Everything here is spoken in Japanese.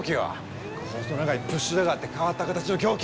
細長いプッシュダガーって変わった形の凶器！